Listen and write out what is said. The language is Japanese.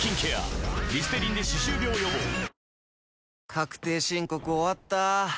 確定申告終わった。